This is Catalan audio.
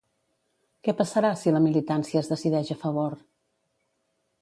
Què passarà si la militància es decideix a favor?